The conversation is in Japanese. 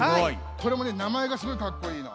これもねなまえがすごいかっこいいの。